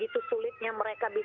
ataupun mengundurkan diri